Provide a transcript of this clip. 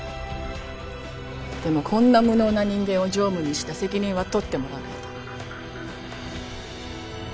でもこんな無能な人間を常務にした責任は取ってもらわないと。